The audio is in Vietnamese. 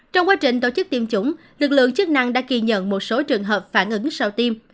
trong quá trình tổ chức tiêm chủng lực lượng chức năng đã ghi nhận một số trường hợp phản ứng sau tiêm